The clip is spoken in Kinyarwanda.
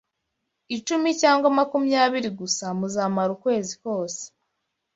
icumi cyangwa makumyabiri gusa muzamara ukwezi kose